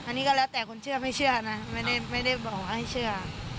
อันนี้ก็แล้วแต่คนเชื่อไม่เชื่อนะไม่ได้บอกให้เชื่อ